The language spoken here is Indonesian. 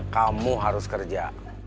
kamu harus kerja